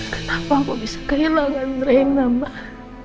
kenapa aku bisa kehilangan reina mbak